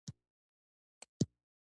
په خپل خاص کمال پوري اړه لري.